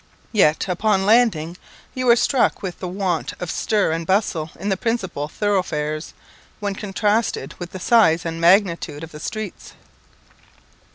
Yet, upon landing, you are struck with the want of stir and bustle in the principal thoroughfares, when contrasted with the size and magnitude of the streets.